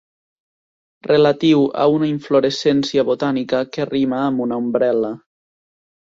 Relatiu a una inflorescència botànica que rima amb una ombrel·la.